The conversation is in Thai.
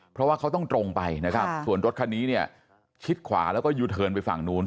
เพราะว่าเขาต้องตรงไปนะครับส่วนรถคันนี้เนี่ยชิดขวาแล้วก็ยูเทิร์นไปฝั่งนู้น